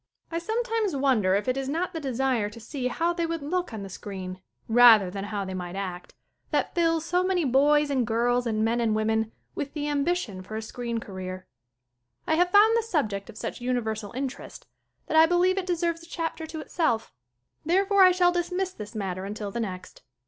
I sometimes wonder if it is o as "a 5 I I e 8 SCREEN ACTING 39 not the desire to see how they would look on the screen, rather than how they might act, that fills so many boys and girls and men and women with an ambition for a screen career. I have found the subject of such universal interest that I believe it deserves a chapter to itself. Therefore I shall dismiss this matter until the next.